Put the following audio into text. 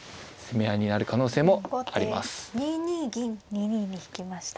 ２二に引きました。